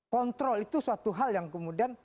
kontrol itu suatu hal yang kemudian